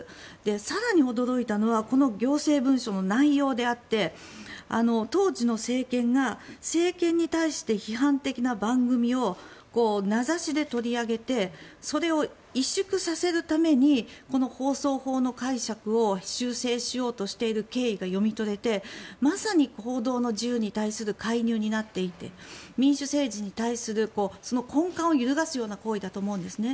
更に驚いたのはこの行政文書の内容であって当時の政権が政権に対して批判的な番組を名指しで取り上げてそれを委縮させるためにこの放送法の解釈を修正しようとしている経緯が読み取れてまさに報道の自由に対する介入になっていて民主政治に対する根幹を揺るがすような行為だと思うんですね。